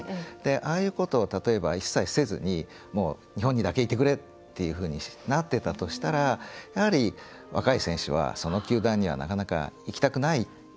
ああいうことを例えば一切せずに、日本にだけいてくれっていうふうになってたとしたら、やはり若い選手はその球団にはなかなか行きたくないと思うんですよ。